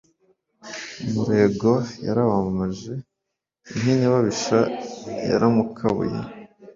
Umurego yarawamamaje inkenyababisha yaramukabuye,